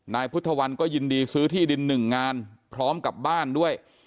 นายพุทธวันก็ยินดีซื้อที่ดิน๑งานพร้อมกับบ้านด้วย